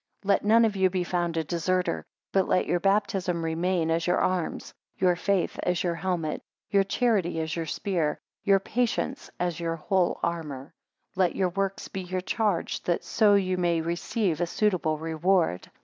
Let none of you be found a deserter; but let your baptism remain, as your arms; your faith, as your helmet; your charity, as your spear; your patience, as your whole armour. 15 Let your works be your charge, that so you may receive a suitable reward.